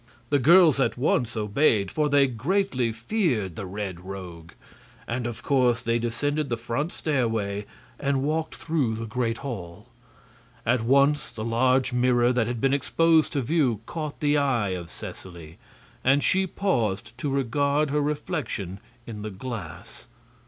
The girls at once obeyed, for they greatly feared the Red Rogue; and of course they descended the front stairway and walked through the great hall. At once the large mirror that had been exposed to view caught the eye of Seseley, and she paused to regard her reflection in the glass.